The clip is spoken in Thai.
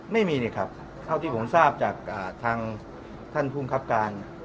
ไม่มีนี่ครับเท่าที่ผมทราบจากทางท่านภูมิครับการ